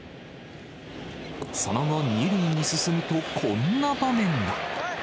その後、２塁に進むと、こんな場面が。